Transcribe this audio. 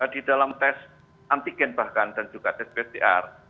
di dalam tes antigen bahkan dan juga tes pcr